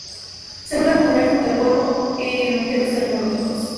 Se puede acumular junto al polvo en objetos tecnológicos.